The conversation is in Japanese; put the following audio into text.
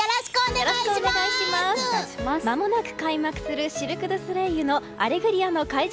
まもなく開幕するシルク・ドゥ・ソレイユの「アレグリア」の会場